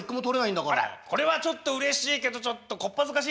あらっこれはちょっとうれしいけどちょっとこっ恥ずかしい皆さんの前で。